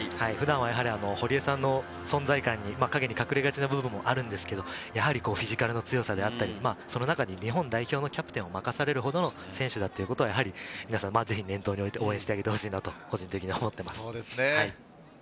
普段は堀江さんの存在感に陰に隠れがちの部分もあるんですけれど、やはりフィジカルの強さだったり、その中で日本代表のキャプテンを任されるほどの選手だということは、やはり皆さん、念頭に置いて、応援してほしいなと個人的には思います。